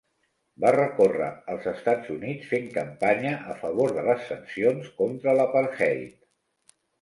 Va recórrer els Estats Units fent campanya a favor de les sancions contra l'apartheid.